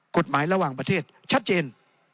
กฎหมายระหว่างประเทศชัดเจน